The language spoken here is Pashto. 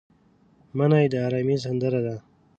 منی د ارامۍ سندره ده